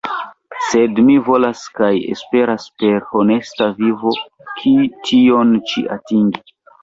Sed mi volas kaj esperas per honesta vivo tion ĉi atingi.